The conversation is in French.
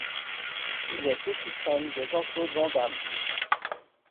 Il est aussi fan de Jean-Claude Van Damme.